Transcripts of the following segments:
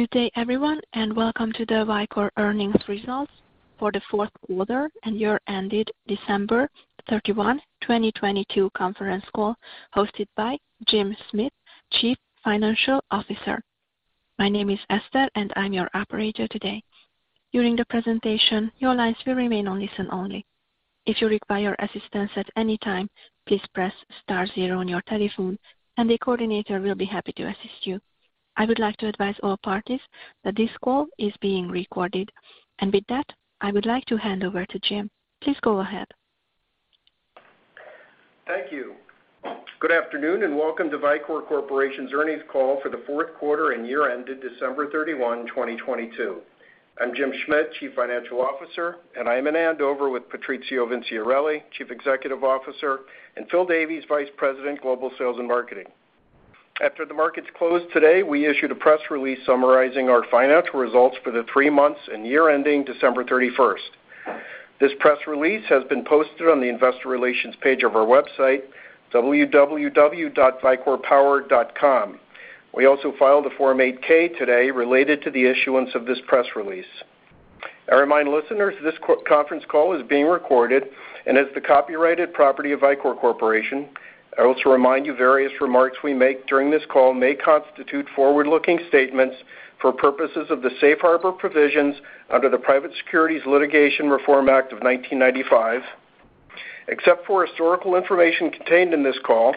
Good day everyone, welcome to the Vicor earnings results for the fourth quarter and year ended December 31, 2022 conference call hosted by Jim Schmidt, Chief Financial Officer. My name is Esther, I'm your operator today. During the presentation, your lines will remain on listen-only. If you require assistance at any time, please press star zero on your telephone, the coordinator will be happy to assist you. I would like to advise all parties that this call is being recorded. With that, I would like to hand over to Jim. Please go ahead. Thank you. Good afternoon, and welcome to Vicor Corporation's earnings call for the fourth quarter and year ended December 31, 2022. I'm Jim Schmidt, Chief Financial Officer, and I am in Andover with Patrizio Vinciarelli, Chief Executive Officer, and Phil Davies, Vice President, Global Sales and Marketing. After the markets closed today, we issued a press release summarizing our financial results for the three months and year ending December 31st. This press release has been posted on the investor relations page of our website, www.vicorpower.com. We also filed a Form 8-K today related to the issuance of this press release. I remind listeners this conference call is being recorded and is the copyrighted property of Vicor Corporation. I also remind you various remarks we make during this call may constitute forward-looking statements for purposes of the safe harbor provisions under the Private Securities Litigation Reform Act of 1995. Except for historical information contained in this call,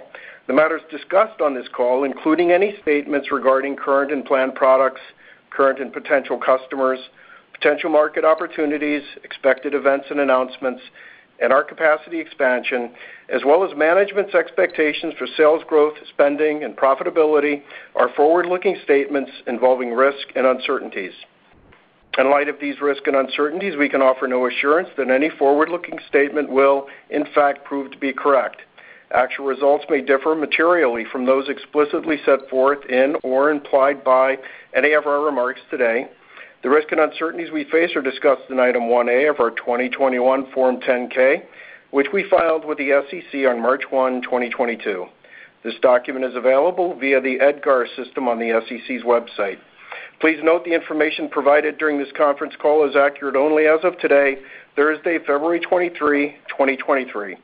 the matters discussed on this call, including any statements regarding current and planned products, current and potential customers, potential market opportunities, expected events and announcements, and our capacity expansion, as well as management's expectations for sales growth, spending, and profitability, are forward-looking statements involving risk and uncertainties. In light of these risks and uncertainties, we can offer no assurance that any forward-looking statement will in fact prove to be correct. Actual results may differ materially from those explicitly set forth in or implied by any of our remarks today. The risks and uncertainties we face are discussed in Item One A of our 2021 Form 10-K, which we filed with the SEC on March 1, 2022. This document is available via the EDGAR system on the SEC's website. Please note the information provided during this conference call is accurate only as of today, Thursday, February 23, 2023.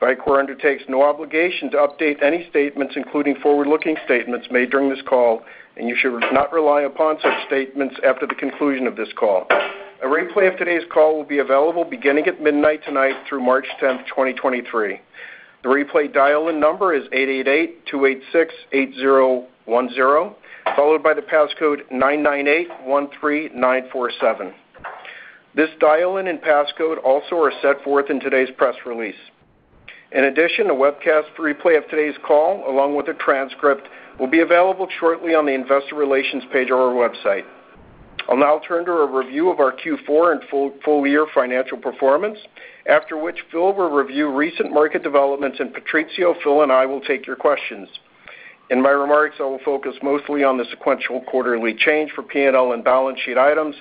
Vicor undertakes no obligation to update any statements, including forward-looking statements made during this call, and you should not rely upon such statements after the conclusion of this call. A replay of today's call will be available beginning at midnight tonight through March 10, 2023. The replay dial-in number is 888-286-8010, followed by the passcode 99813947. This dial-in and passcode also are set forth in today's press release. In addition, a webcast replay of today's call, along with a transcript, will be available shortly on the investor relations page of our website. I'll now turn to a review of our Q4 and full year financial performance, after which Phil will review recent market developments. Patrizio, Phil, and I will take your questions. In my remarks, I will focus mostly on the sequential quarterly change for P&L and balance sheet items,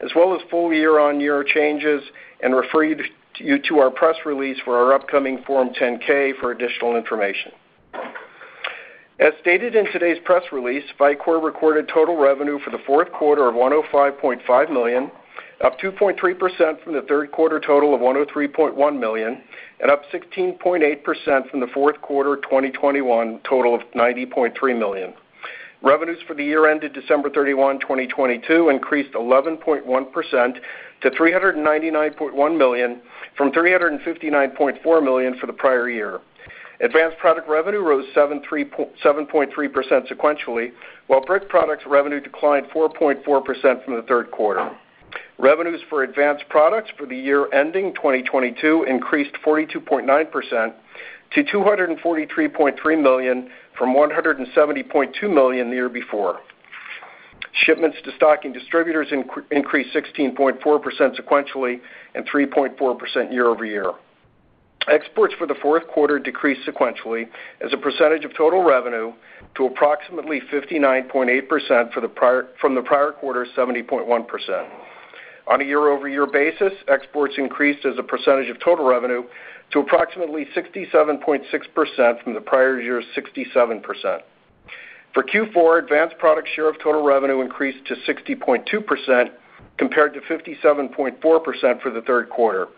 as well as full year-on-year changes, and refer you to our press release for our upcoming Form 10-K for additional information. As stated in today's press release, Vicor recorded total revenue for the fourth quarter of $105.5 million, up 2.3% from the third quarter total of $103.1 million and up 16.8% from the fourth quarter of 2021 total of $90.3 million. Revenue for the year ended December 31, 2022 increased 11.1% to $399.1 million from $359.4 million for the prior year. Advanced Products revenue rose 7.3% sequentially, while Brick Products revenue declined 4.4% from the third quarter. Revenues for Advanced Products for the year ending 2022 increased 42.9% to $243.3 million from $170.2 million the year before. Shipments to stock and distributors increased 16.4% sequentially and 3.4% year-over-year. Exports for the fourth quarter decreased sequentially as a percentage of total revenue to approximately 59.8% from the prior quarter, 70.1%. On a year-over-year basis, exports increased as a percentage of total revenue to approximately 67.6% from the prior year's 67%. For Q4, Advanced Products share of total revenue increased to 60.2% compared to 57.4% for the third quarter,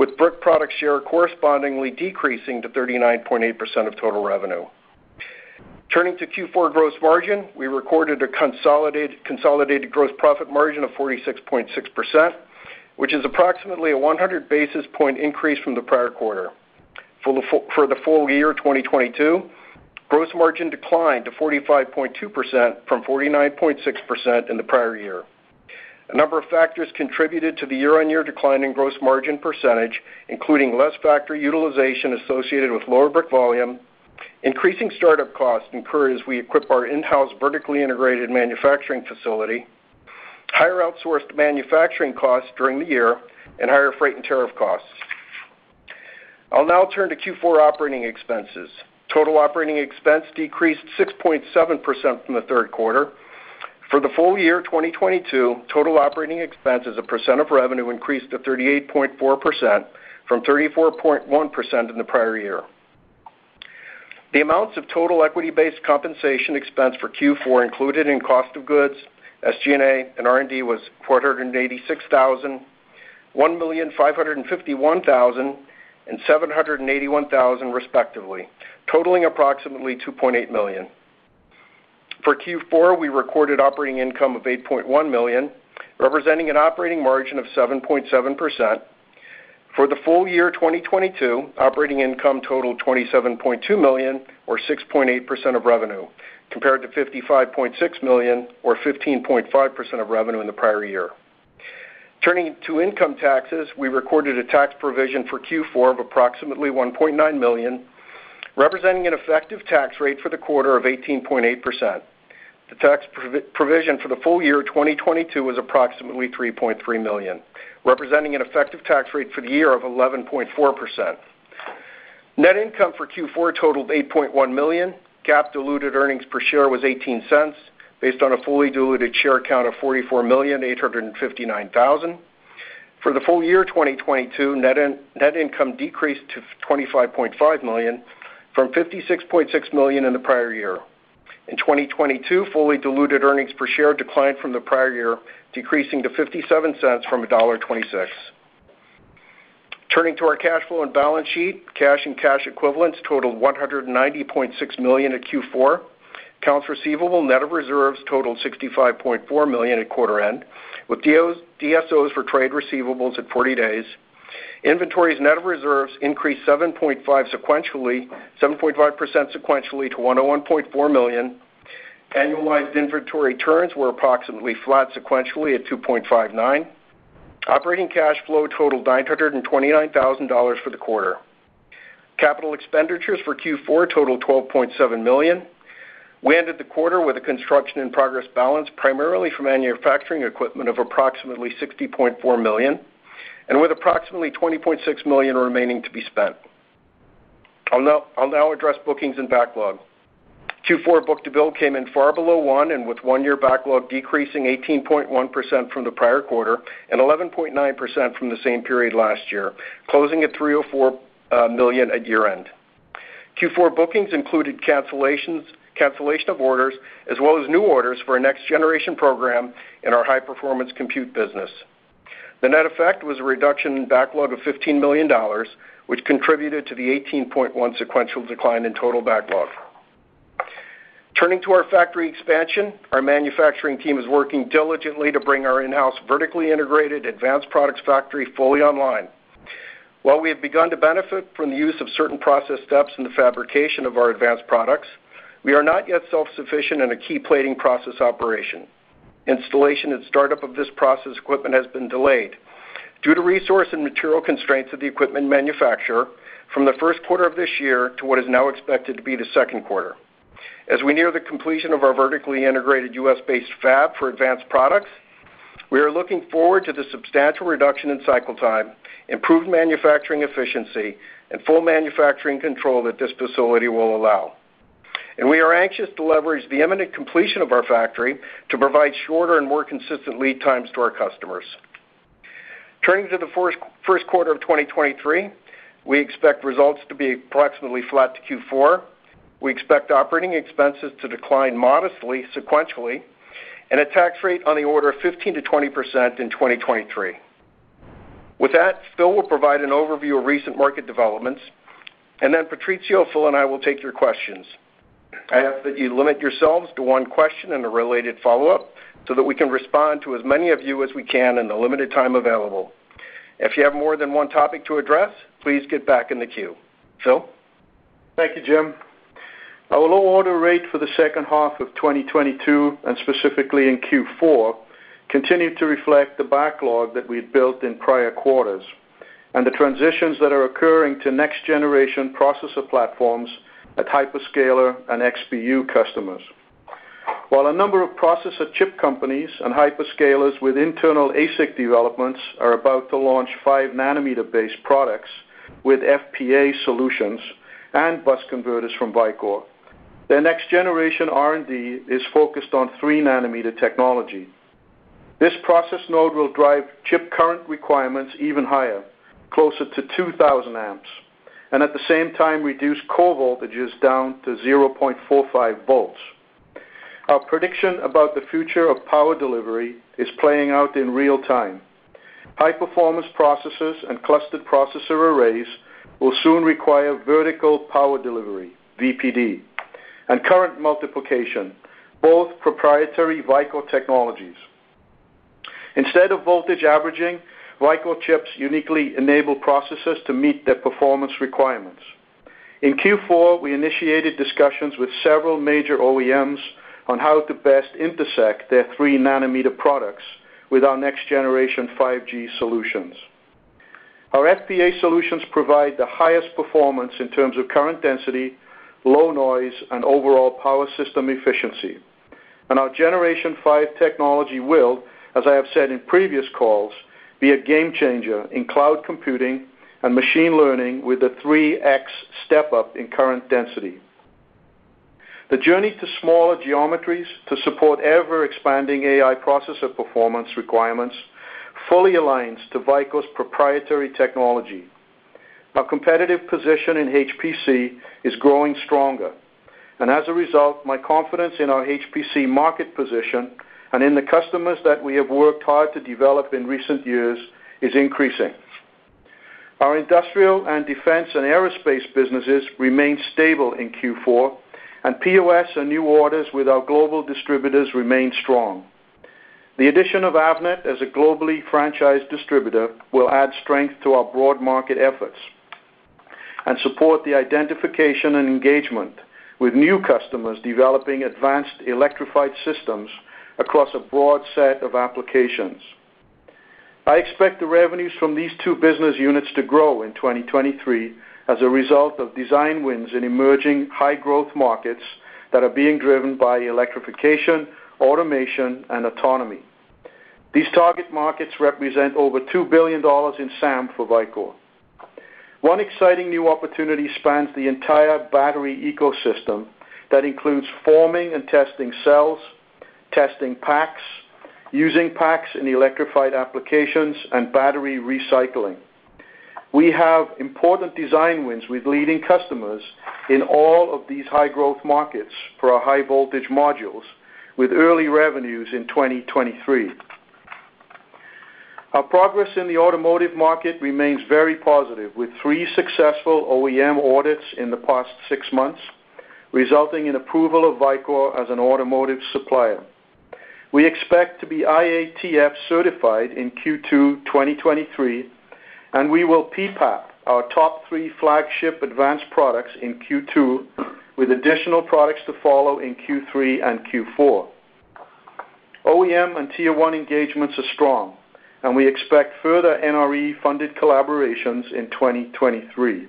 with Brick Products share correspondingly decreasing to 39.8% of total revenue. Turning to Q4 gross margin, we recorded a consolidated gross profit margin of 46.6%, which is approximately a 100 basis point increase from the prior quarter. For the full year 2022, gross margin declined to 45.2% from 49.6% in the prior year. A number of factors contributed to the year-over-year decline in gross margin percentage, including less factory utilization associated with lower brick volume, increasing startup costs incurred as we equip our in-house vertically integrated manufacturing facility, higher outsourced manufacturing costs during the year, and higher freight and tariff costs. I'll now turn to Q4 operating expenses. Total operating expenses decreased 6.7% from the third quarter. For the full year 2022, total operating expenses as a percentage of revenue increased to 38.4% from 34.1% in the prior year. The amounts of total equity-based compensation expense for Q4 included in cost of goods, SG&A, and R&D was $486,000, $1,551,000, and $781,000, respectively, totaling approximately $2.8 million. For Q4, we recorded operating income of $8.1 million, representing an operating margin of 7.7%. For the full year 2022, operating income totaled $27.2 million, or 6.8% of revenue, compared to $55.6 million, or 15.5% of revenue in the prior year. Turning to income taxes, we recorded a tax provision for Q4 of approximately $1.9 million, representing an effective tax rate for the quarter of 18.8%. The tax provision for the full year 2022 was approximately $3.3 million, representing an effective tax rate for the year of 11.4%. Net income for Q4 totaled $8.1 million. GAAP diluted earnings per share was $0.18, based on a fully diluted share count of 44,859,000. For the full year 2022, net income decreased to $25.5 million from $56.6 million in the prior year. In 2022, fully diluted earnings per share declined from the prior year, decreasing to $0.57 from $1.26. Turning to our cash flow and balance sheet, cash and cash equivalents totaled $190.6 million at Q4. Accounts receivable net of reserves totaled $65.4 million at quarter end, with DSOs for trade receivables at 40 days. Inventories net of reserves increased 7.5% sequentially to $101.4 million. Annualized inventory turns were approximately flat sequentially at 2.59. Operating cash flow totaled $929,000 for the quarter. Capital expenditures for Q4 totaled $12.7 million. We ended the quarter with a construction in progress balance, primarily from manufacturing equipment of approximately $60.4 million, and with approximately $20.6 million remaining to be spent. I'll now address bookings and backlog. Q4 book-to-bill came in far below 1.0 and with one-year backlog decreasing 18.1% from the prior quarter and 11.9% from the same period last year, closing at $304 million at year-end. Q4 bookings included cancellation of orders, as well as new orders for our next-generation program in our high-performance compute business. The net effect was a reduction in backlog of $15 million, which contributed to the 18.1% sequential decline in total backlog. Turning to our factory expansion, our manufacturing team is working diligently to bring our in-house vertically integrated Advanced Products factory fully online. While we have begun to benefit from the use of certain process steps in the fabrication of our Advanced Products, we are not yet self-sufficient in a key plating process operation. Installation and startup of this process equipment has been delayed due to resource and material constraints of the equipment manufacturer from the first quarter of this year to what is now expected to be the second quarter. As we near the completion of our vertically integrated U.S.-based fab for Advanced Products, we are looking forward to the substantial reduction in cycle time, improved manufacturing efficiency, and full manufacturing control that this facility will allow, and we are anxious to leverage the imminent completion of our factory to provide shorter and more consistent lead times to our customers. Turning to the first quarter of 2023, we expect results to be approximately flat to Q4. We expect operating expenses to decline modestly sequentially and a tax rate on the order of 15%-20% in 2023. With that, Phil will provide an overview of recent market developments, and then Patrizio, Phil, and I will take your questions. I ask that you limit yourselves to one question and a related follow-up so that we can respond to as many of you as we can in the limited time available. If you have more than one topic to address, please get back in the queue. Phil? Thank you, Jim. Our low order rate for the second half of 2022, and specifically in Q4, continued to reflect the backlog that we had built in prior quarters and the transitions that are occurring to next-generation processor platforms at hyperscaler and XPU customers. While a number of processor chip companies and hyperscalers with internal ASIC developments are about to launch 5 nm-based products with FPA solutions and bus converters from Vicor, their next-generation R&D is focused on 3 nm technology. This process node will drive chip current requirements even higher, closer to 2,000 amps, and at the same time reduce core voltages down to 0.45 volts. Our prediction about the future of power delivery is playing out in real time. High-performance processors and clustered processor arrays will soon require Vertical Power Delivery, VPD, and current multiplication, both proprietary Vicor technologies. Instead of voltage averaging, Vicor chips uniquely enable processors to meet their performance requirements. In Q4, we initiated discussions with several major OEMs on how to best intersect their 3 nm products with our next-generation 5G solutions. Our FPA solutions provide the highest performance in terms of current density, low noise, and overall power system efficiency, and our Generation 5 technology will, as I have said in previous calls, be a game changer in cloud computing and machine learning with a 3x step-up in current density. The journey to smaller geometries to support ever-expanding AI processor performance requirements fully aligns to Vicor's proprietary technology. Our competitive position in HPC is growing stronger. As a result, my confidence in our HPC market position and in the customers that we have worked hard to develop in recent years is increasing. Our industrial and defense and aerospace businesses remained stable in Q4. POS and new orders with our global distributors remain strong. The addition of Avnet as a globally franchised distributor will add strength to our broad market efforts and support the identification and engagement with new customers developing advanced electrified systems across a broad set of applications. I expect the revenues from these two business units to grow in 2023 as a result of design wins in emerging high-growth markets that are being driven by electrification, automation, and autonomy. These target markets represent over $2 billion in SAM for Vicor. One exciting new opportunity spans the entire battery ecosystem that includes forming and testing cells, testing packs, using packs in electrified applications, and battery recycling. We have important design wins with leading customers in all of these high-growth markets for our high voltage modules with early revenues in 2023. Our progress in the automotive market remains very positive, with three successful OEM audits in the past 6 months, resulting in approval of Vicor as an automotive supplier. We expect to be IATF certified in Q2 2023. We will PPAP our top three flagship Advanced Products in Q2 with additional products to follow in Q3 and Q4. OEM and tier one engagements are strong. We expect further NRE-funded collaborations in 2023.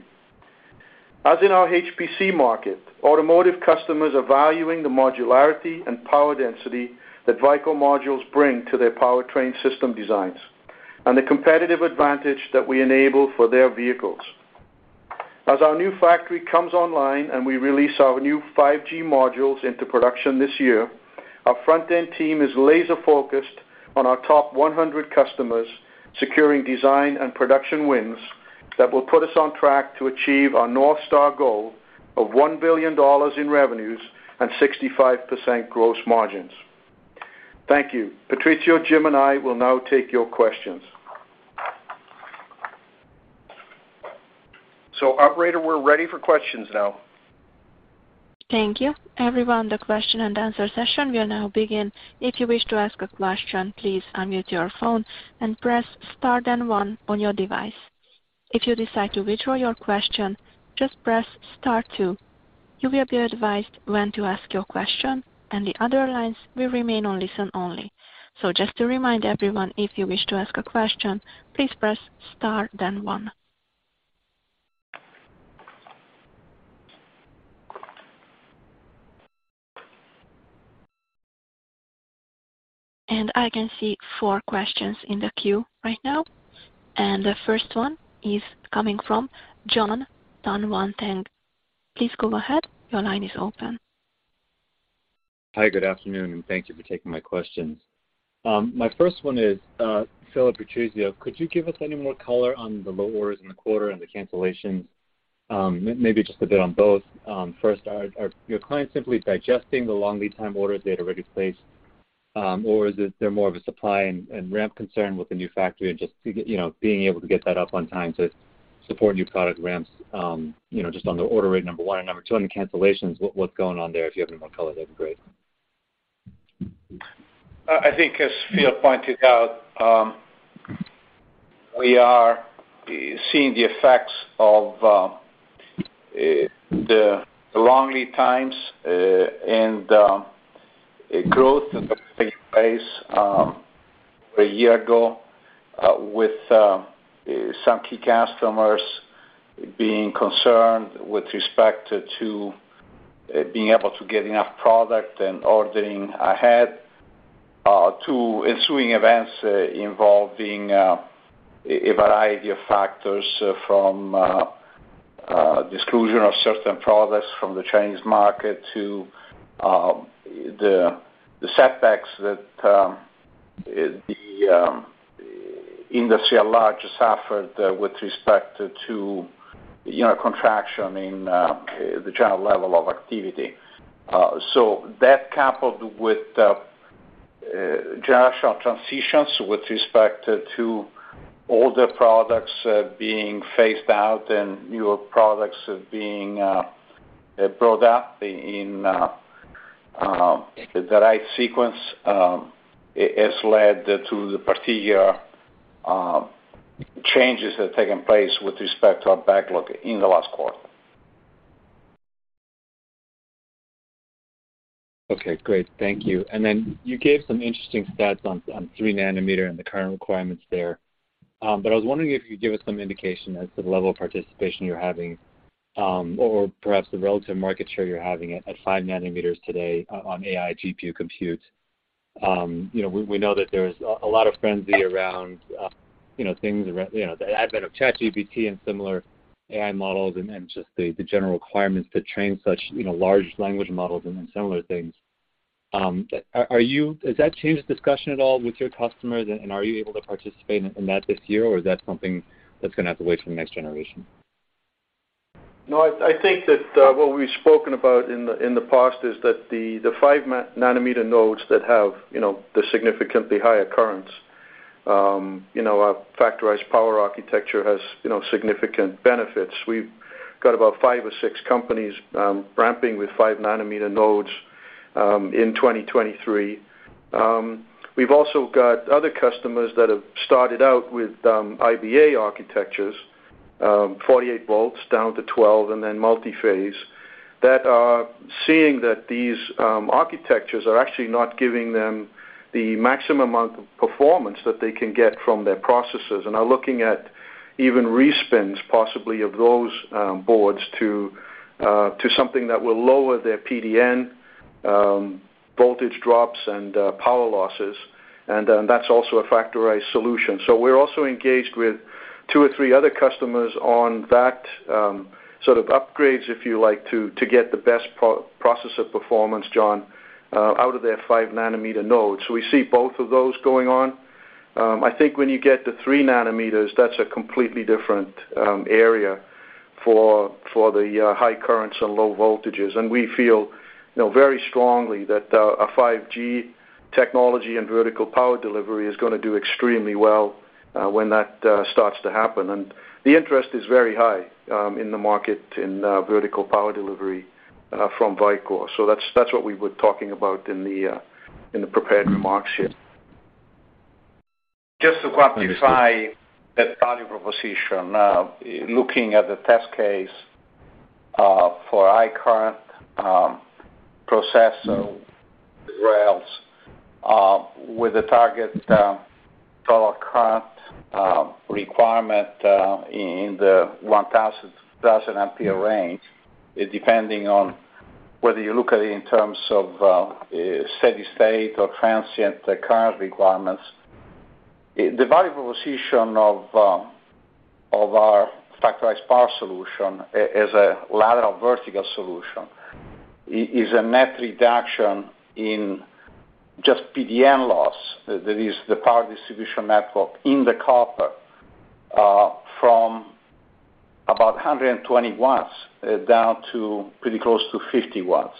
As in our HPC market, automotive customers are valuing the modularity and power density that Vicor modules bring to their powertrain system designs and the competitive advantage that we enable for their vehicles. As our new factory comes online and we release our new 5G modules into production this year, our front-end team is laser-focused on our top 100 customers, securing design and production wins that will put us on track to achieve our North Star goal of $1 billion in revenues and 65% gross margins. Thank you. Patrizio, Jim, and I will now take your questions. Operator, we're ready for questions now. Thank you. Everyone, the question-and-answer session will now begin. If you wish to ask a question, please unmute your phone and press star then one on your device. If you decide to withdraw your question, just press star two. You will be advised when to ask your question, and the other lines will remain on listen only. Just to remind everyone, if you wish to ask a question, please press star then one. I can see four questions in the queue right now. The first one is coming from Jon Tanwanteng. Please go ahead. Your line is open. Hi, good afternoon, and thank you for taking my questions. My first one is Phil or Patrizio, could you give us any more color on the low orders in the quarter and the cancellations? Maybe just a bit on both. First, are your clients simply digesting the long lead time orders they had already placed, or is it they're more of a supply and ramp concern with the new factory and just to get, you know, being able to get that up on time to support new product ramps, you know, just on the order rate, number one. Number two, on the cancellations, what's going on there, if you have any more color, that'd be great. I think as Phil pointed out, we are seeing the effects of the long lead times, and growth that took place a year ago, with some key customers being concerned with respect to being able to get enough product and ordering ahead, to ensuing events involving a variety of factors from exclusion of certain products from the Chinese market to the setbacks that the industry at large has suffered with respect to, you know, contraction in the general level of activity. That coupled with general transitions with respect to older products being phased out and newer products being brought up in the right sequence has led to the particular changes that have taken place with respect to our backlog in the last quarter. Okay, great. Thank you. Then you gave some interesting stats on 3 nm and the current requirements there. I was wondering if you could give us some indication as to the level of participation you're having, or perhaps the relative market share you're having at 5 nm today on AI GPU compute. You know, we know that there's a lot of frenzy around, you know, things around, you know, the advent of ChatGPT and similar AI models and just the general requirements to train such, you know, large language models and then similar things. Has that changed the discussion at all with your customers? Are you able to participate in that this year, or is that something that's gonna have to wait for the next generation? I think that what we've spoken about in the past is that the 5 nm nodes that have, you know, the significantly higher currents, you know, our Factorized Power Architecture has, you know, significant benefits. We've got about five or six companies ramping with 5 nm nodes in 2023. We've also got other customers that have started out with IBA architectures, 48 volts down to 12 volts, and then multi-phase, that are seeing that these architectures are actually not giving them the maximum amount of performance that they can get from their processors and are looking at even respins, possibly of those boards to something that will lower their PDN voltage drops and power losses. That's also a factorized solution. We're also engaged with two or three other customers on that, sort of upgrades, if you like, to get the best processor performance, John, out of their 5 nm nodes. We see both of those going on. I think when you get to 3 nm, that's a completely different area for the high-currents and low-voltages. We feel, you know, very strongly that a 5G technology and Vertical Power Delivery is gonna do extremely well, when that starts to happen. The interest is very high, in the market in Vertical Power Delivery, from Vicor. That's what we were talking about in the prepared remarks here. Just to quantify that value proposition, looking at the test case for high-current processor rails, with a target total current requirement in the 1,000 ampere range, depending on whether you look at it in terms of steady state or transient current requirements. The value proposition of our Factorized Power Architecture solution as a lateral vertical solution is a net reduction in just PDN loss. That is the power distribution network in the copper, from about 120 watts down to pretty close to 50 watts.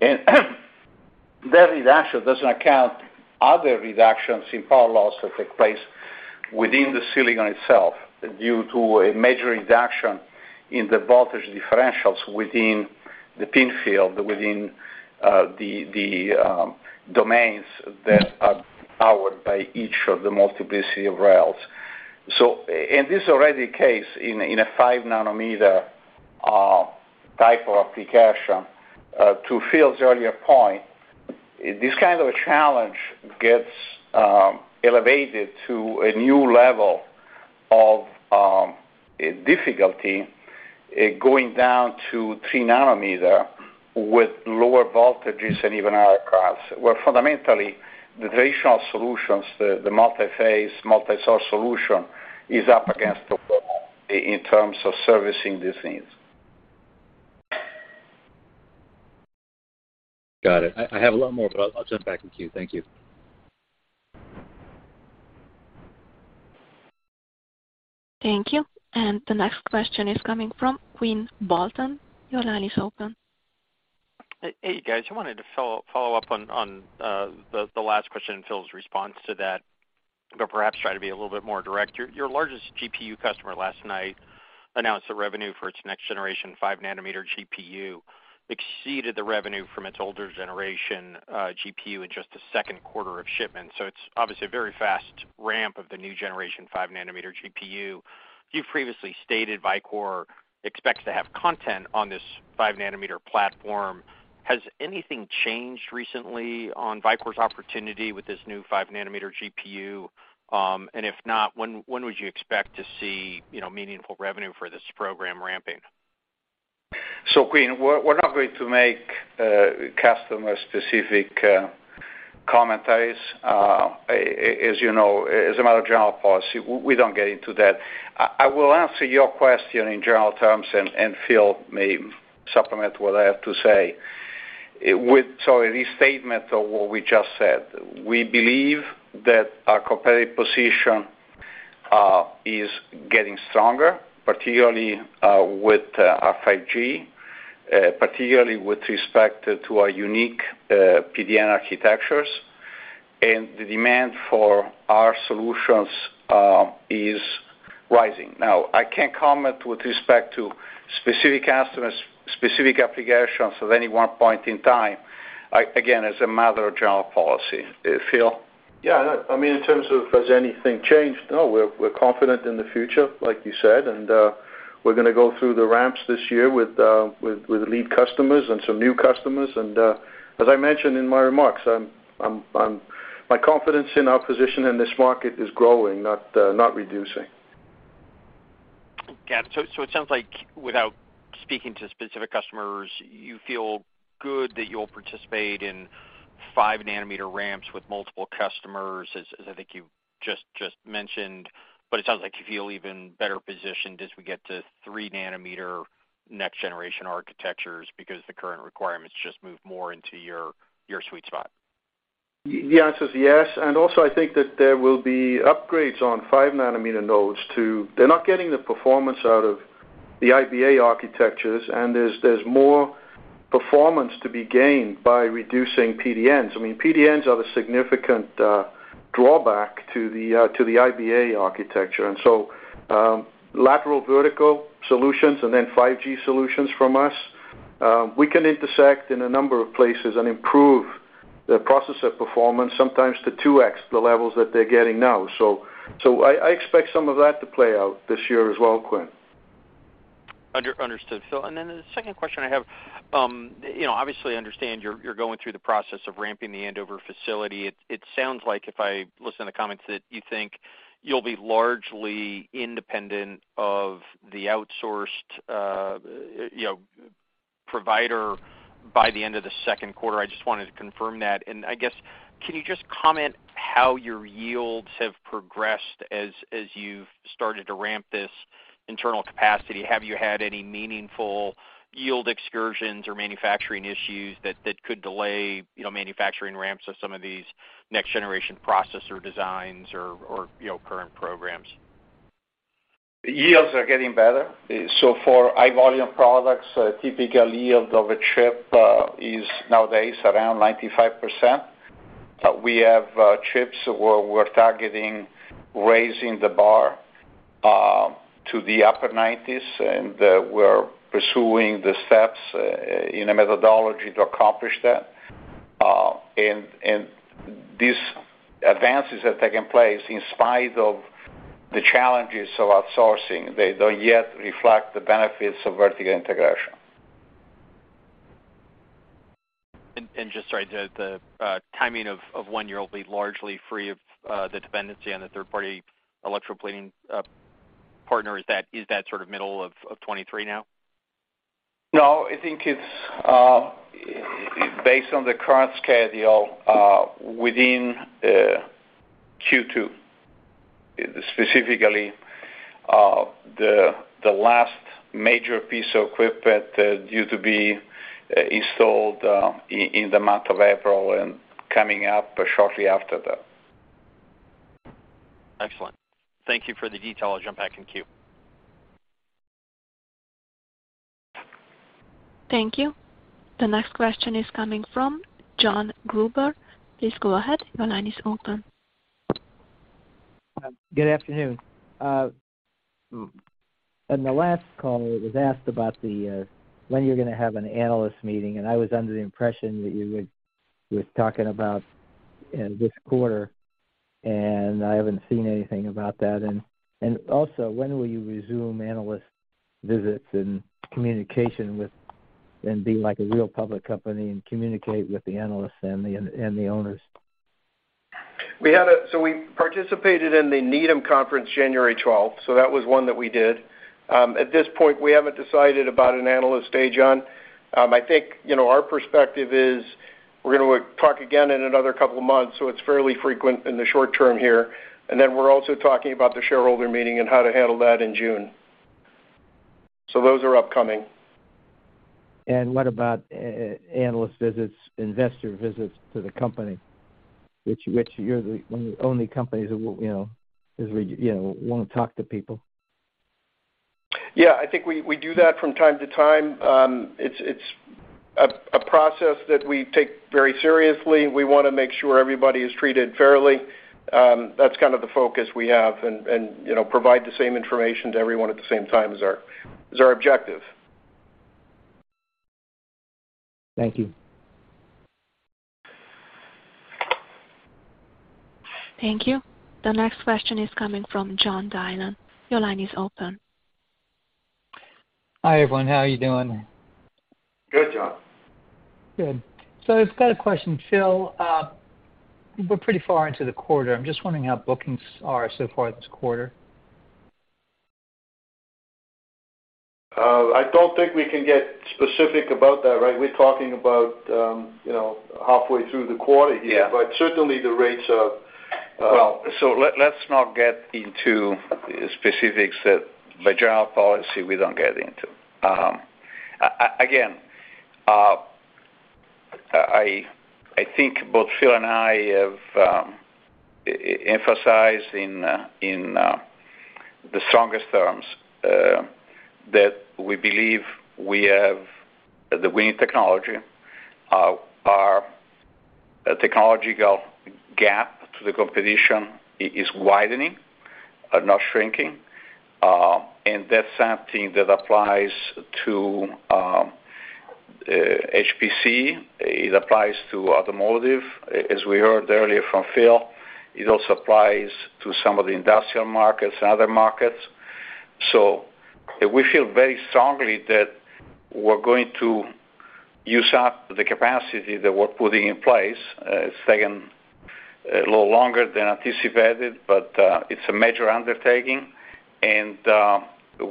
That reduction doesn't account other reductions in power loss that take place within the silicon itself due to a major reduction in the voltage differentials within the pin field, within the domains that are powered by each of the multiplicity of rails. In this already case, in a 5 nm type of application, to Phil's earlier point, this kind of a challenge gets elevated to a new level of difficulty, going down to 3 nm with lower voltages and even higher currents, where fundamentally, the traditional solutions, the multi-phase, multi-source solution is up against the wall in terms of servicing this needs. Got it. I have a lot more, but I'll jump back in queue. Thank you. Thank you. The next question is coming from Quinn Bolton. Your line is open. Hey, guys. I wanted to follow up on the last question and Phil's response to that, but perhaps try to be a little bit more direct. Your largest GPU customer last night announced the revenue for its next-generation 5 nm GPU exceeded the revenue from its older generation GPU in just the second quarter of shipments. It's obviously a very fast ramp of the new generation 5 nm GPU. You've previously stated Vicor expects to have content on this 5 nm platform. Has anything changed recently on Vicor's opportunity with this new 5 nm GPU? If not, when would you expect to see, you know, meaningful revenue for this program ramping? Quinn, we're not going to make customer-specific commentaries. As you know, as a matter of general policy, we don't get into that. I will answer your question in general terms and Phil may supplement what I have to say. With a restatement of what we just said. We believe that our competitive position is getting stronger, particularly with our 5G, particularly with respect to our unique PDN architectures, and the demand for our solutions is rising. I can't comment with respect to specific customers, specific applications at any one point in time, again, as a matter of general policy. Phil? I mean, in terms of has anything changed? No, we're confident in the future, like you said, we're gonna go through the ramps this year with lead customers and some new customers. As I mentioned in my remarks, my confidence in our position in this market is growing, not reducing. It sounds like without speaking to specific customers, you feel good that you'll participate in 5 nm ramps with multiple customers, as I think you just mentioned. It sounds like you feel even better positioned as we get to 3 nm next-generation architectures because the current requirements just move more into your sweet spot. Yes, yes. Also I think that there will be upgrades on 5 nm nodes too. They're not getting the performance out of the IBA architectures, and there's more performance to be gained by reducing PDNs. I mean, PDNs are the significant drawback to the IBA architecture. So lateral vertical solutions and then 5G solutions from us, we can intersect in a number of places and improve the processor performance sometimes to 2x the levels that they're getting now. So I expect some of that to play out this year as well, Quinn. Understood. The second question I have, you know, obviously I understand you're going through the process of ramping the Andover facility. It sounds like if I listen to comments that you think you'll be largely independent of the outsourced, you know, provider by the end of the second quarter. I just wanted to confirm that. I guess, can you just comment how your yields have progressed as you've started to ramp this internal capacity? Have you had any meaningful yield excursions or manufacturing issues that could delay, you know, manufacturing ramps of some of these next-generation processor designs or, you know, current programs? Yields are getting better. For high volume products, typical yield of a chip is nowadays around 95%. We have chips where we're targeting raising the bar to the upper 90s, and we're pursuing the steps in a methodology to accomplish that. These advances have taken place in spite of the challenges of outsourcing. They don't yet reflect the benefits of vertical integration. Just sorry, the timing of when you'll be largely free of the dependency on the third party electroplating partner, is that sort of middle of 2023 now? I think it's based on the current schedule within Q2, specifically, the last major piece of equipment due to be installed in the month of April and coming up shortly after that. Excellent. Thank you for the detail. I'll jump back in queue. Thank you. The next question is coming from John Gruber. Please go ahead. Your line is open. Good afternoon. On the last call, it was asked about the when you're gonna have an analyst meeting, and I was under the impression that you were talking about this quarter, and I haven't seen anything about that. Also, when will you resume analyst visits and communication with and be like a real public company and communicate with the analysts and the and the owners? We participated in the Needham Conference January 12th, so that was one that we did. At this point, we haven't decided about an analyst day, John. I think, you know, our perspective is we're gonna talk again in another couple of months, so it's fairly frequent in the short term here. We're also talking about the shareholder meeting and how to handle that in June. Those are upcoming. What about analyst visits, investor visits to the company, which you're the, one of the only companies who you know, you know, won't talk to people? Yeah. I think we do that from time to time. It's a process that we take very seriously. We wanna make sure everybody is treated fairly. That's kind of the focus we have and, you know, provide the same information to everyone at the same time is our objective. Thank you. Thank you. The next question is coming from John Dillon. Your line is open. Hi, everyone. How are you doing? Good, John. Good. I've got a question. Phil, we're pretty far into the quarter. I'm just wondering how bookings are so far this quarter. I don't think we can get specific about that, right? We're talking about, you know, halfway through the quarter here. Yeah. Certainly the rates are— Well, let's not get into specifics, that the general policy we don't get into. Again, I think both Phil and I have emphasized in the strongest terms that we believe we have the winning technology. Our technological gap to the competition is widening, not shrinking. That's something that applies to HPC. It applies to automotive, as we heard earlier from Phil. It also applies to some of the industrial markets and other markets. We feel very strongly that we're going to use up the capacity that we're putting in place, second little longer than anticipated, but it's a major undertaking, and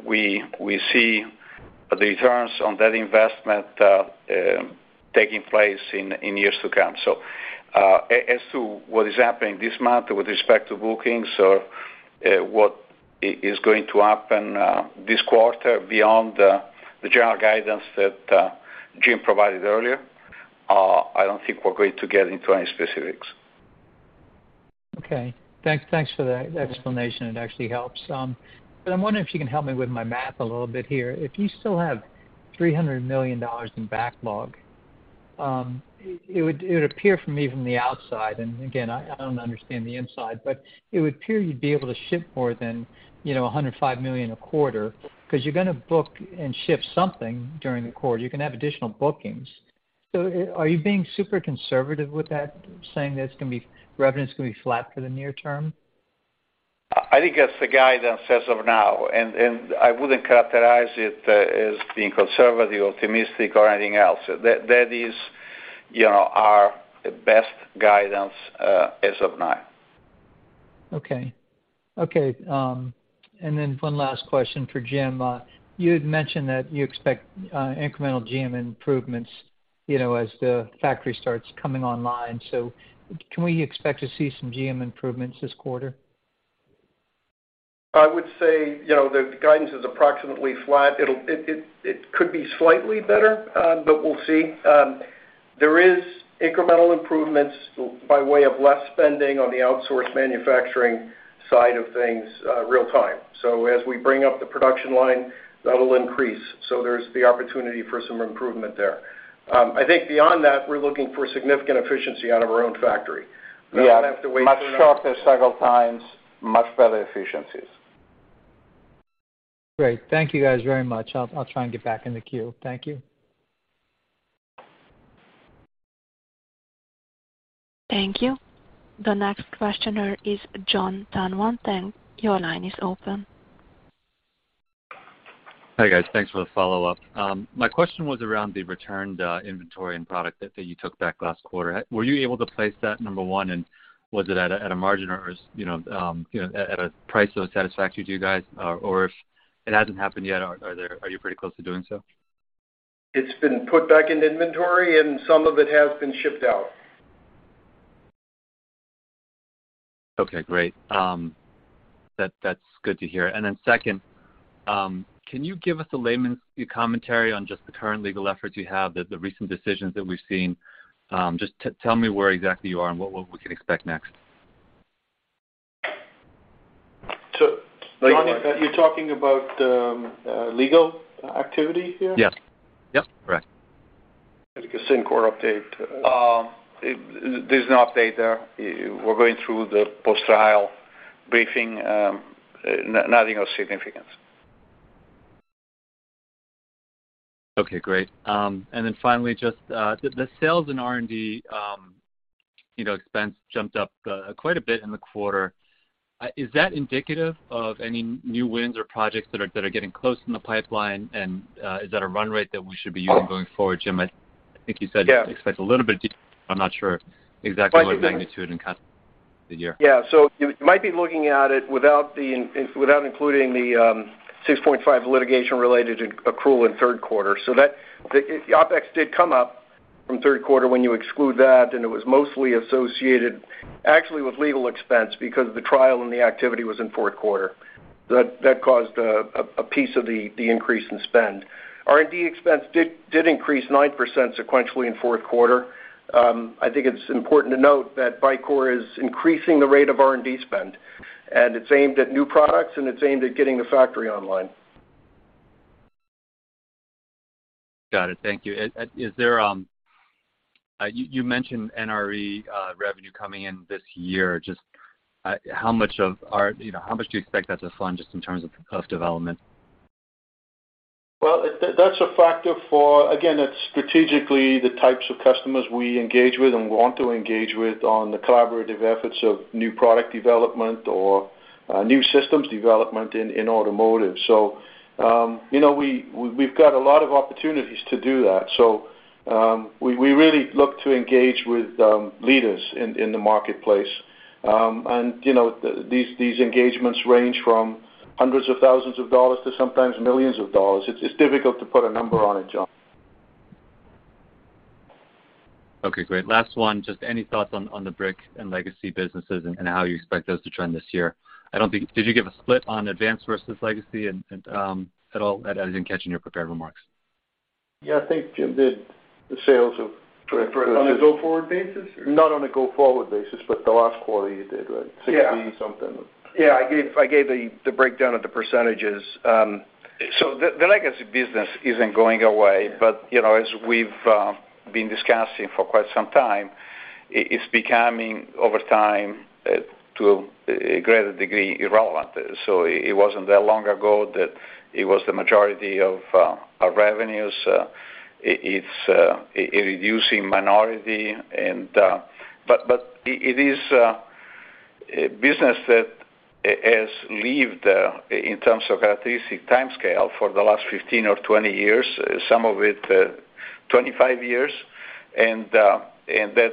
we see the returns on that investment taking place in years to come. As to what is happening this month with respect to bookings or what is going to happen this quarter beyond the general guidance that Jim provided earlier, I don't think we're going to get into any specifics. Okay. Thanks for that explanation. It actually helps. I'm wondering if you can help me with my math a little bit here. If you still have $300 million in backlog, it would appear for me from the outside, and again, I don't understand the inside, but it would appear you'd be able to ship more than, you know, $105 million a quarter, 'cause you're gonna book and ship something during the quarter. You're gonna have additional bookings. Are you being super conservative with that, saying that's revenue's gonna be flat for the near term? I think that's the guidance as of now, and I wouldn't characterize it, as being conservative, optimistic or anything else. That is, you know, our best guidance, as of now. Okay. Okay, one last question for Jim. You had mentioned that you expect incremental GM improvements, you know, as the factory starts coming online. Can we expect to see some GM improvements this quarter? I would say, you know, the guidance is approximately flat. It could be slightly better, we'll see. There is incremental improvements by way of less spending on the outsource manufacturing side of things, real time. As we bring up the production line, that'll increase. There's the opportunity for some improvement there. I think beyond that, we're looking for significant efficiency out of our own factory. Yeah. We don't have to wait too long. Much shorter cycle times, much better efficiencies. Great. Thank you guys very much. I'll try and get back in the queue. Thank you. Thank you. The next questioner is Jon Tanwanteng. Your line is open. Hi, guys. Thanks for the follow-up. My question was around the returned inventory and product that you took back last quarter, were you able to place that? That's number one. Was it at a margin or is it at a price that was satisfactory to you guys? If it hasn't happened yet, are you pretty close to doing so? It's been put back in inventory and some of it has been shipped out. Okay, great. That's good to hear. Second, can you give us a layman's commentary on just the current legal efforts you have, the recent decisions that we've seen? Just tell me where exactly you are and what we can expect next. Jon, you're talking about legal activity here? Yes. Yep, correct. Like the Cyntec update. There's no update there. We're going through the post-trial briefing, nothing of significance. Okay, great. Then finally, just the sales in R&D, you know, expense jumped up quite a bit in the quarter. Is that indicative of any new wins or projects that are getting close in the pipeline? Is that a run rate that we should be using going forward? Jim, I think you said— Yeah? To expect a little bit deeper. I'm not sure exactly what magnitude and kind of the year. You might be looking at it without including the $6.5 million litigation related to accrual in third quarter. The OpEx did come up from third quarter when you exclude that, and it was mostly associated actually with legal expense because the trial and the activity was in fourth quarter. That caused a piece of the increase in spend. R&D expense did increase 9% sequentially in fourth quarter. I think it's important to note that Vicor is increasing the rate of R&D spend, and it's aimed at new products, and it's aimed at getting the factory online. Got it. Thank you. You mentioned NRE revenue coming in this year. Just, how much of, or, you know, how much do you expect that to fund, just in terms of cost development? Well, that's a factor for. Again, it's strategically the types of customers we engage with and want to engage with on the collaborative efforts of new product development or new systems development in automotive. You know, we've got a lot of opportunities to do that. We really look to engage with leaders in the marketplace. You know, these engagements range from hundreds of thousands of dollars to sometimes millions of dollars. It's difficult to put a number on it, Jon. Okay, great. Last one. Just any thoughts on the Brick Products and legacy businesses and how you expect those to trend this year? Did you give a split on Advanced Products versus legacy and at all? I didn't catch in your prepared remarks. Yeah. I think Jim did. On a go-forward basis? Not on a go-forward basis, but the last quarter you did, right? Yeah. 60% or something. Yeah. I gave the breakdown of the percentages. So the legacy business isn't going away. But, you know, as we've been discussing for quite some time, it's becoming, over time, to a greater degree irrelevant. So it wasn't that long ago that it was the majority of our revenues. It's a reducing minority. But it is a business that has lived in terms of characteristic timescale for the last 15 or 20 years, some of it 25 years, and that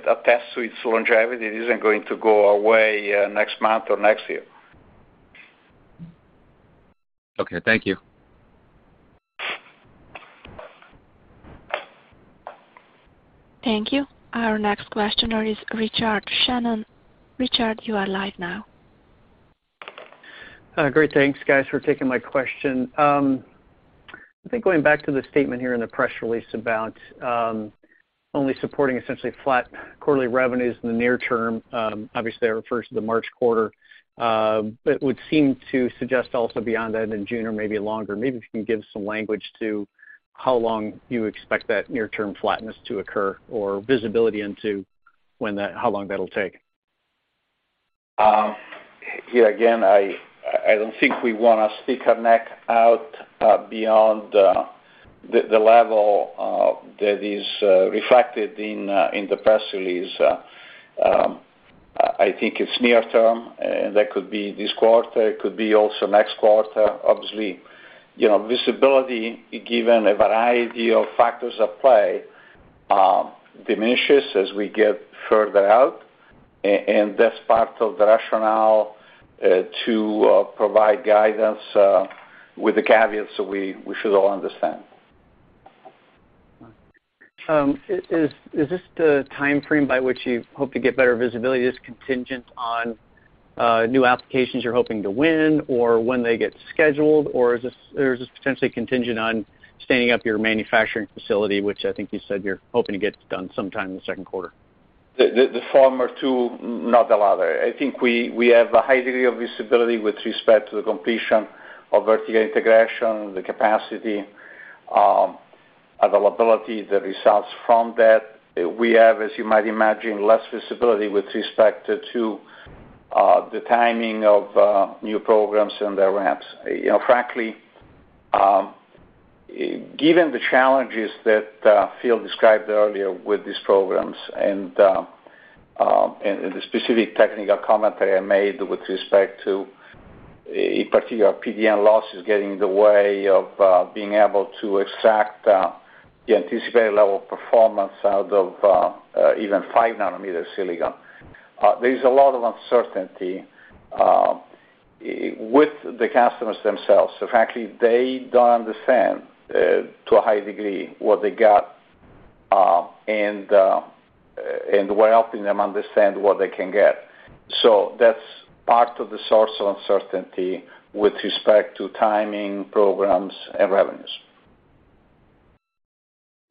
attests to its longevity isn't going to go away next month or next year Okay, thank you. Thank you. Our next questioner is Richard Shannon. Richard, you are live now. Great, thanks, guys, for taking my question. I think going back to the statement here in the press release about only supporting essentially flat quarterly revenues in the near term, obviously, that refers to the March quarter. It would seem to suggest also beyond that in June or maybe longer, maybe if you can give some language to how long you expect that near-term flatness to occur or visibility into when that how long that'll take. Here again, I don't think we wanna stick our neck out beyond the level that is reflected in the press release. I think it's near term, and that could be this quarter, it could be also next quarter. Obviously, you know, visibility, given a variety of factors at play, diminishes as we get further out. That's part of the rationale to provide guidance with the caveats that we should all understand. Is this the timeframe by which you hope to get better visibility? Is this contingent on new applications you're hoping to win or when they get scheduled, or is this potentially contingent on standing up your manufacturing facility, which I think you said you're hoping to get done sometime in the second quarter? The former two, not the latter. I think we have a high degree of visibility with respect to the completion of vertical integration, the capacity, availability, the results from that. We have, as you might imagine, less visibility with respect to the timing of new programs and their ramps. You know, frankly, given the challenges that Phil described earlier with these programs and the specific technical commentary I made with respect to, in particular, PDN losses getting in the way of being able to extract the anticipated level of performance out of even 5 nm silicon, there is a lot of uncertainty with the customers themselves. Frankly, they don't understand to a high degree what they got, and we're helping them understand what they can get. That's part of the source of uncertainty with respect to timing, programs, and revenues.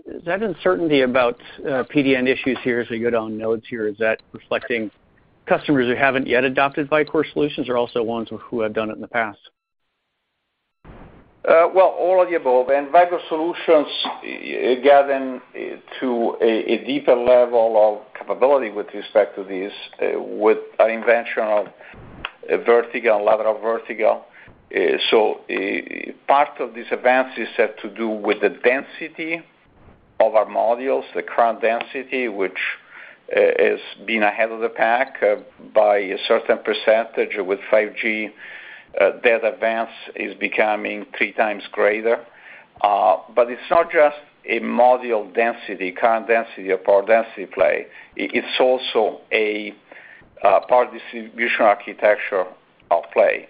Is that uncertainty about PDN issues here as we go down nodes here, is that reflecting customers who haven't yet adopted Vicor solutions or also ones who have done it in the past? Well, all of the above. Vicor solutions have gotten to a deeper level of capability with respect to this, with our invention of Vertical and lateral vertical. Part of this advance is set to do with the density of our modules, the current density, which is being ahead of the pack by a certain percentage. With 5G, that advance is becoming 3 times greater. It's not just a module density, current density or power density play. It's also a power distribution architecture at play.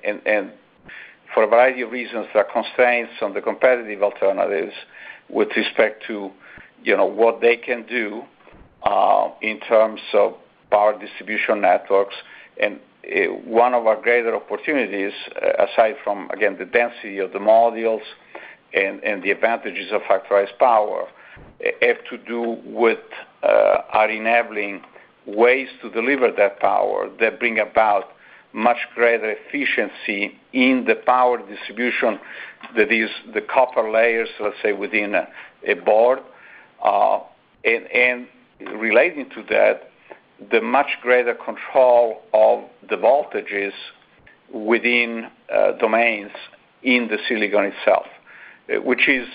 For a variety of reasons, there are constraints on the competitive alternatives with respect to, you know, what they can do in terms of power distribution networks. One of our greater opportunities, aside from, again, the density of the modules and the advantages of Factorized Power Architecture, have to do with, are enabling ways to deliver that power that bring about much greater efficiency in the power distribution that is the copper layers, let's say, within a board. Relating to that, the much greater control of the voltages within, domains in the silicon itself, which is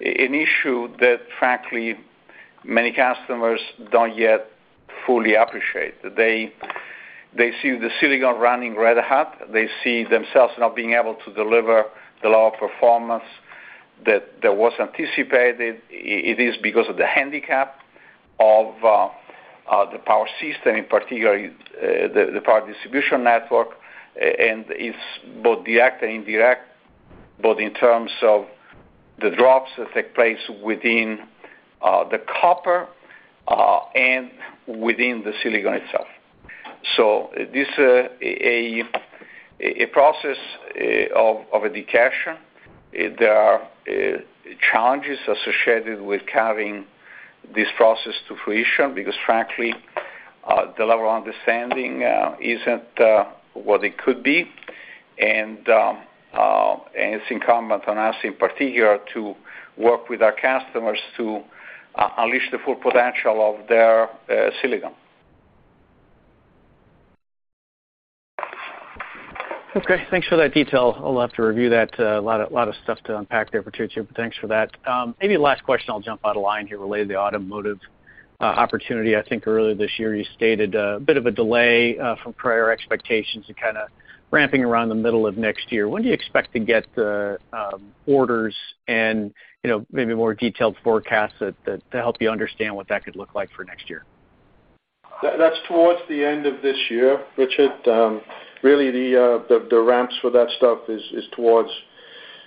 an issue that frankly many customers don't yet fully appreciate. They see the silicon running red hot. They see themselves not being able to deliver the level of performance that was anticipated. It is because of the handicap of the power system, in particular, the power distribution network, and it's both direct and indirect, both in terms of the drops that take place within the copper and within the silicon itself. This is a process of education. There are challenges associated with carrying this process to fruition because frankly, the level of understanding isn't what it could be. It's incumbent on us in particular to work with our customers to unleash the full potential of their silicon. Okay. Thanks for that detail. I'll have to review that. A lot of stuff to unpack there to digest. Thanks for that. Maybe last question, I'll jump out of line here related to the automotive opportunity. I think earlier this year, you stated a bit of a delay from prior expectations to kinda ramping around the middle of next year. When do you expect to get the orders and, you know, maybe more detailed forecasts that to help you understand what that could look like for next year? That's towards the end of this year, Richard. Really the ramps for that stuff is towards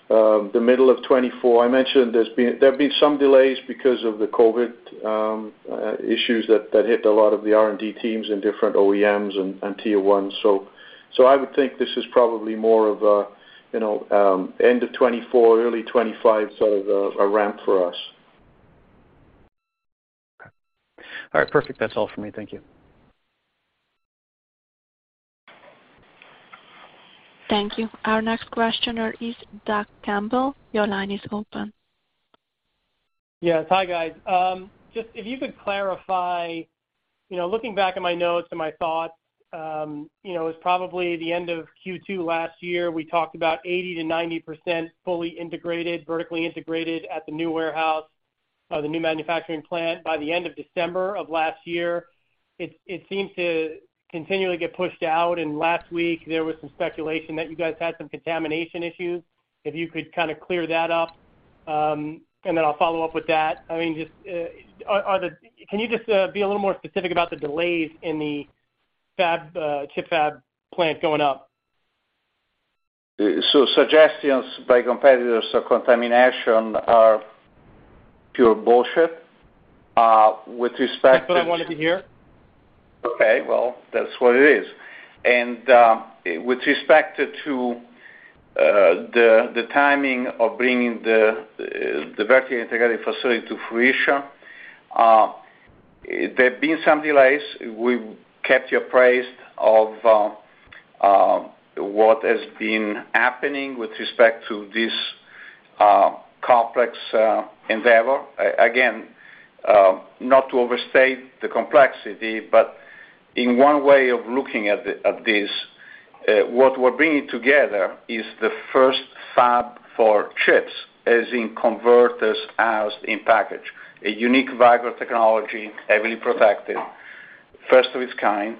the middle of 2024. I mentioned there'd been some delays because of the COVID issues that hit a lot of the R&D teams in different OEMs and tier ones. I would think this is probably more of a, you know, end of 2024, early 2025, sort of a ramp for us. All right. Perfect. That's all for me. Thank you. Thank you. Our next questioner is Doug Campbell. Your line is open. Yes. Hi, guys. Just if you could clarify, you know, looking back at my notes and my thoughts, you know, it's probably the end of Q2 last year, we talked about 80% to 90% fully integrated, vertically integrated at the new warehouse, the new manufacturing plant by the end of December of last year. It seemed to continually get pushed out, and last week there was some speculation that you guys had some contamination issues. If you could kinda clear that up, and then I'll follow up with that. I mean, Can you just be a little more specific about the delays in the fab, chip fab plant going up? Suggestions by competitors of contamination are pure bullshit. That's what I wanted to hear. Okay, well, that's what it is. With respect to the timing of bringing the vertically integrated facility to fruition, there've been some delays. We've kept you appraised of what has been happening with respect to this complex endeavor. Again, not to overstate the complexity, but in one way of looking at this, what we're bringing together is the first fab for chips, as in converters, as in package. A unique Vicor technology, heavily protected, first of its kind.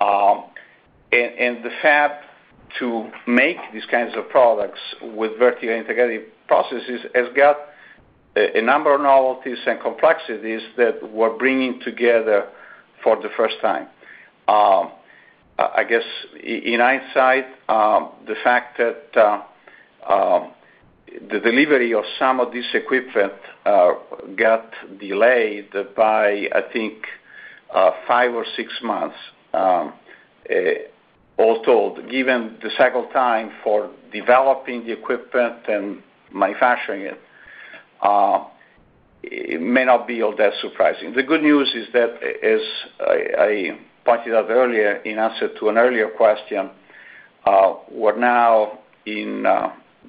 The fab to make these kinds of products with vertically integrated processes has got a number of novelties and complexities that we're bringing together for the first time. I guess in hindsight, the fact that the delivery of some of this equipment got delayed by, I think, five or six months, all told, given the cycle time for developing the equipment and manufacturing it may not be all that surprising. The good news is that, as I pointed out earlier in answer to an earlier question, we're now in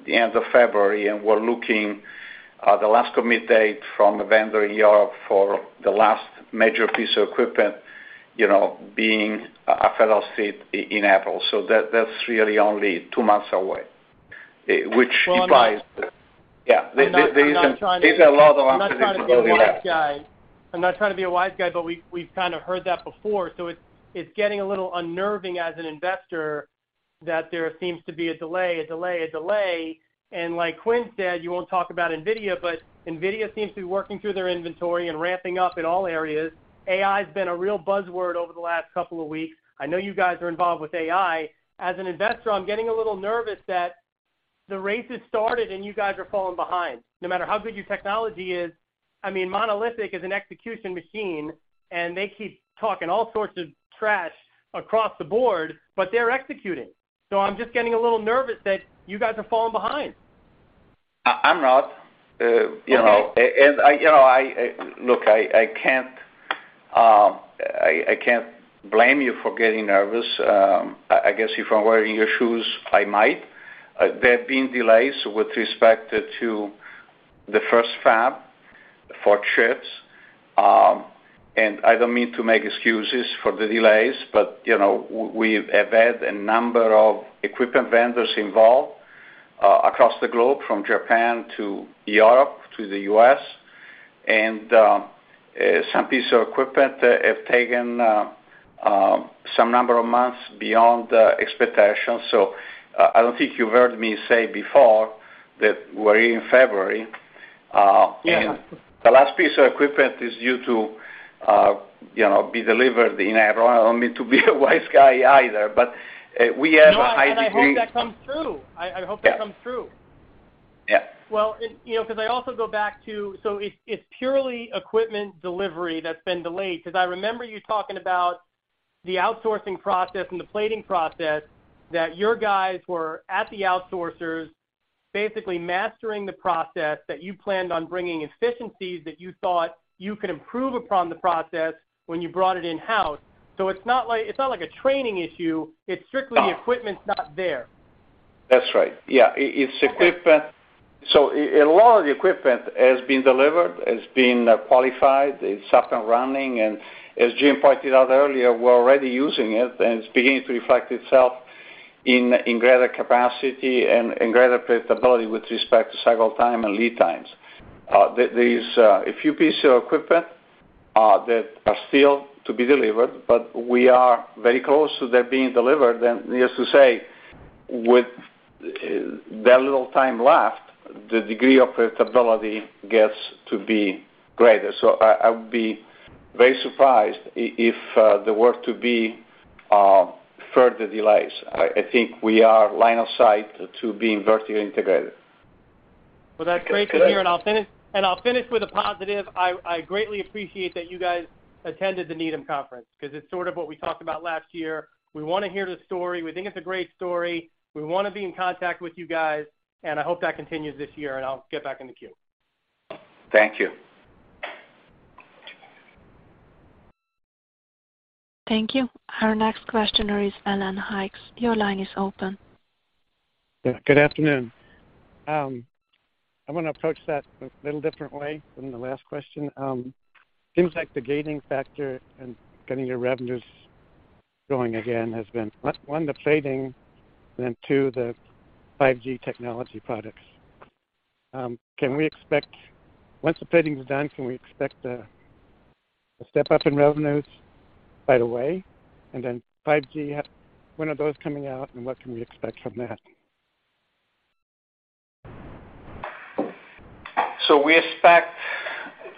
the end of February, and we're looking at the last commit date from the vendor in Europe for the last major piece of equipment, you know, to be delivered in April. That's really only two months away, which implies. Well, I'm not— Yeah? I'm not trying— There's a lot of optimism to go around. I'm not trying to be a wise guy, but we've kind of heard that before, so it's getting a little unnerving as an investor that there seems to be a delay, a delay, a delay. Like Quinn said, you won't talk about NVIDIA, but NVIDIA seems to be working through their inventory and ramping up in all areas. AI's been a real buzzword over the last couple of weeks. I know you guys are involved with AI. As an investor, I'm getting a little nervous that the race has started and you guys are falling behind. No matter how good your technology is, I mean, Monolithic Power Systems is an execution machine, and they keep talking all sorts of trash across the board, but they're executing. I'm just getting a little nervous that you guys are falling behind. I'm not, you know. I, you know, I, look, I can't, I can't blame you for getting nervous. I guess if I were in your shoes, I might. There have been delays with respect to the first fab for chips. I don't mean to make excuses for the delays, but, you know, we've had a number of equipment vendors involved, across the globe, from Japan to Europe to the U.S. Some piece of equipment have taken some number of months beyond expectation. I don't think you've heard me say before that we're in February. Yeah. The last piece of equipment is due to, you know, to be delivered in April. I don't mean to be a wise guy either, we have a high degree— No, I hope that comes true. I hope that comes true. Yeah. Yeah. You know, 'cause I also go back to. It's purely equipment delivery that's been delayed, 'cause I remember you talking about the outsourcing process and the plating process that your guys were at the outsourcers basically mastering the process that you planned on bringing efficiencies that you thought you could improve upon the process when you brought it in-house. It's not like a training issue. It's strictly the equipment's not there. That's right. Yeah. It's equipment. A lot of the equipment has been delivered, has been qualified, it's up and running, and as Jim pointed out earlier, we're already using it, and it's beginning to reflect itself in greater capacity and greater predictability with respect to cycle time and lead times. There are a few pieces of equipment that are still to be delivered, but we are very close to their being delivered. Needless to say, with that little time left, the degree of predictability gets to be greater. I would be very surprised if there were to be further delays. I think we are line of sight to being vertically integrated. Well, that's great to hear, and I'll finish with a positive. I greatly appreciate that you guys attended the Needham Conference, because it's sort of what we talked about last year. We wanna hear the story. We think it's a great story. We wanna be in contact with you guys, and I hope that continues this year, and I'll get back in the queue. Thank you. Thank you. Our next questioner is Alan Hicks. Your line is open. Yeah, good afternoon. I wanna approach that a little differently than the last question. Seems like the gating factor in getting your revenues going again has been, one, the plating, and then two, the 5G technology products. Once the plating is done, can we expect a step up in revenues right away? Then 5G, when are those coming out, and what can we expect from that? We expect.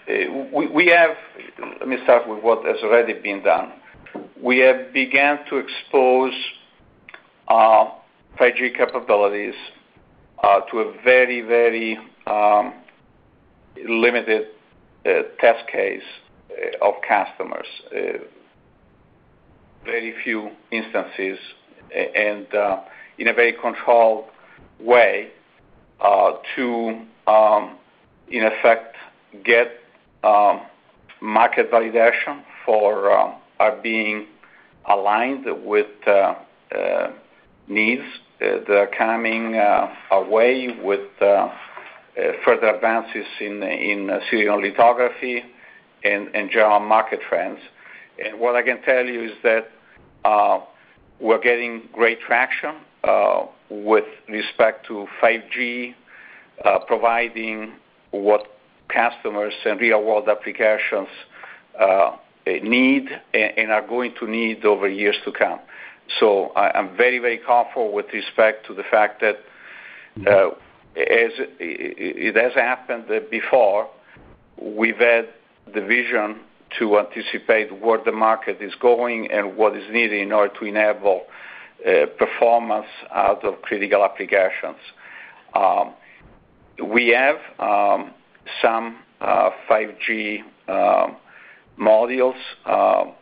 Let me start with what has already been done. We have begun to expose 5G capabilities to a very, very limited test case of customers, very few instances and in a very controlled way to in effect get market validation for are being aligned with needs that are coming our way with further advances in silicon lithography and general market trends. What I can tell you is that we're getting great traction with respect to 5G providing what customers and real world applications need and are going to need over years to come. I'm very, very confident with respect to the fact that as it has happened before, we've had the vision to anticipate where the market is going and what is needed in order to enable performance out of critical applications. We have some 5G modules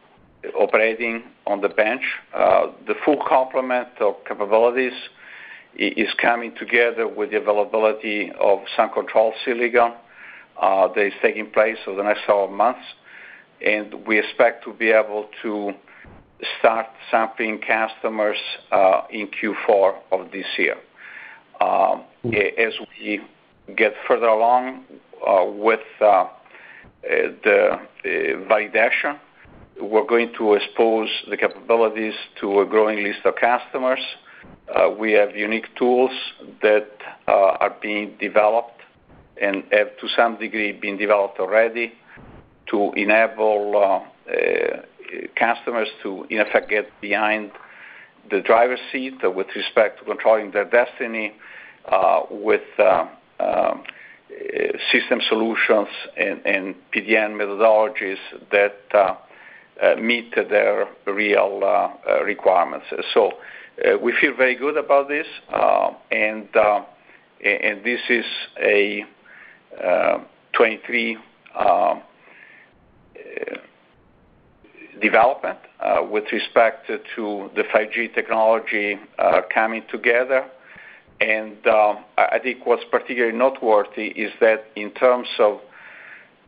operating on the bench. The full complement of capabilities is coming together with the availability of some control silicon that is taking place over the next 12 months, and we expect to be able to start sampling customers in Q4 of this year. As we get further along with the validation, we're going to expose the capabilities to a growing list of customers. We have unique tools that are being developed and have to some degree, been developed already to enable customers to, in effect, get behind the driver's seat with respect to controlling their destiny, with system solutions and PDN methodologies that meet their real requirements. We feel very good about this. This is a 2023 development with respect to the 5G technology coming together. I think what's particularly noteworthy is that in terms of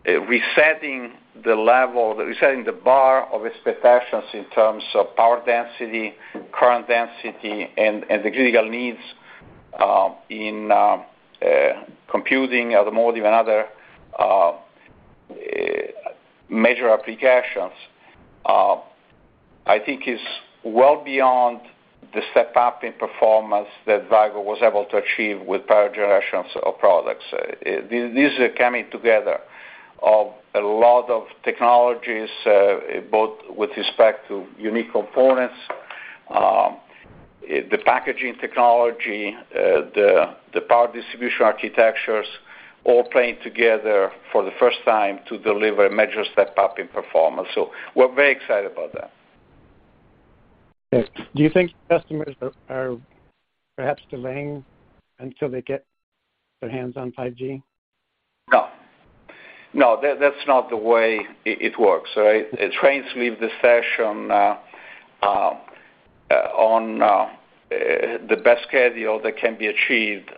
resetting the level, resetting the bar of expectations in terms of power density, current density, and the critical needs, in computing, automotive, and other major applications, I think is well beyond the step up in performance that Vicor was able to achieve with prior generations of products. These are coming together of a lot of technologies, both with respect to unique components, the packaging technology, the power distribution architectures all playing together for the first time to deliver a major step up in performance. We're very excited about that. Do you think customers are perhaps delaying until they get their hands on 5G? No. No, that's not the way it works, right? Trains leave the station on the best schedule that can be achieved.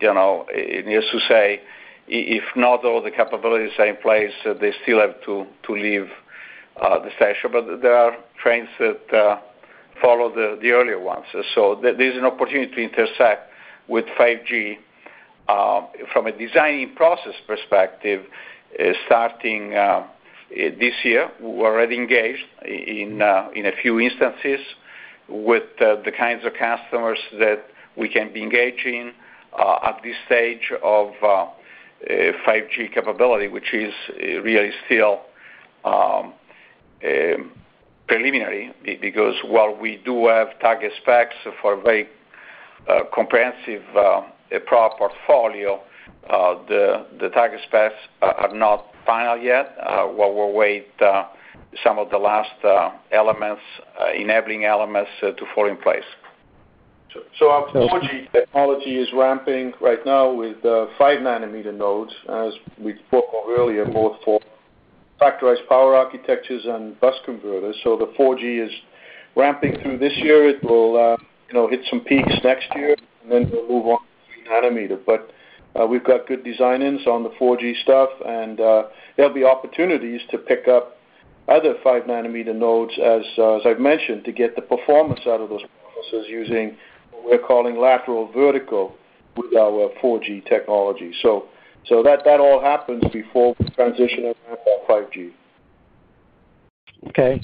You know, needless to say, if not all the capabilities are in place, they still have to leave the station. There are trends that follow the earlier ones. There's an opportunity to intersect with 5G from a designing process perspective, starting this year. We're already engaged in a few instances with the kinds of customers that we can be engaging at this stage of 5G capability, which is really still preliminary because while we do have target specs for a very comprehensive product portfolio, the target specs are not final yet. While we work on some of the last elements, enabling elements to fall in place. Our 4G technology is ramping right now with 5 nm nodes, as we spoke earlier, both for Factorized Power Architecture and bus converters. The 4G is ramping through this year. It will, you know, hit some peaks next year, and then we'll move on to 3 nm. We've got good design-ins on the 4G stuff, and there'll be opportunities to pick up other 5 nm nodes, as I've mentioned, to get the performance out of those processes using what we're calling lateral vertical with our 4G technology. That all happens before we transition into that 5G. Okay.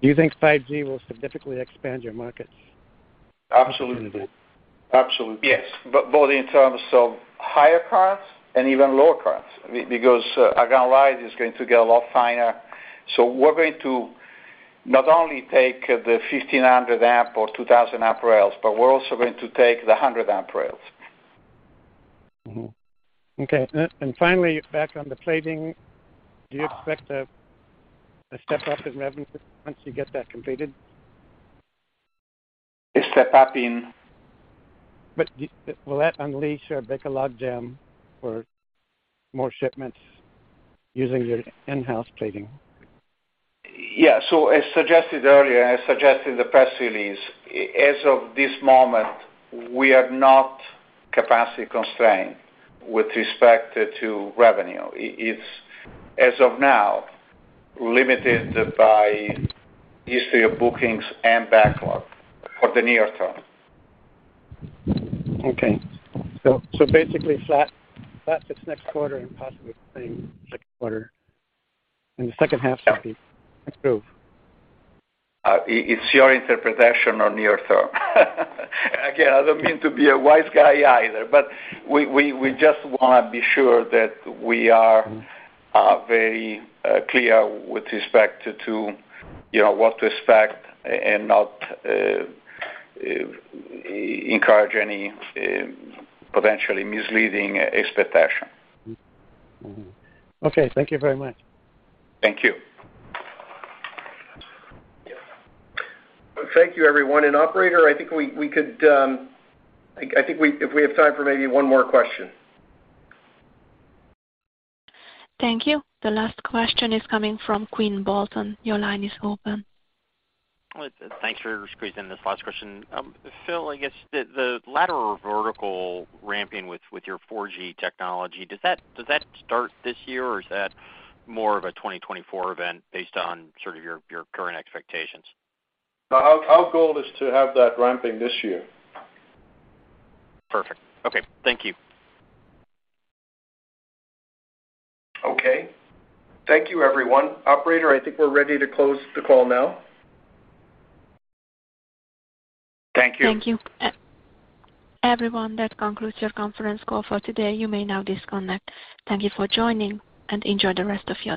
Do you think 5G will significantly expand your markets? Absolutely. Absolutely. Yes. Both in terms of higher currents and even lower currents, because our line is going to get a lot finer. We're going to not only take the 1,500 amp or 2,000 amp rails, but we're also going to take the 100 amp rails. Okay. Finally, back on the plating, do you expect a step-up in revenue once you get that completed? A step-up in... Will that unleash a bigger logjam for more shipments using your in-house plating? Yeah. As suggested earlier, as suggested in the press release, as of this moment, we are not capacity constrained with respect to revenue. It's, as of now, limited by history of bookings and backlog for the near term. Okay. So, basically flat this next quarter and possibly the same second quarter? And in the second half, maybe improve? It's your interpretation of near term. Again, I don't mean to be a wise guy either. We just wanna be sure that we are very clear with respect to, you know, what to expect and not encourage any potentially misleading expectation. Okay. Thank you very much. Thank you. Well, thank you, everyone. Operator, I think we could, I think if we have time for maybe one more question. Thank you. The last question is coming from Quinn Bolton. Your line is open. Thanks for squeezing this last question. Phil, I guess the lateral vertical ramping with your 4G technology, does that start this year, or is that more of a 2024 event based on sort of your current expectations? Our goal is to have that ramping this year. Perfect. Okay. Thank you. Okay. Thank you, everyone. Operator, I think we're ready to close the call now. Thank you. Thank you. Everyone, that concludes your conference call for today. You may now disconnect. Thank you for joining. Enjoy the rest of your day.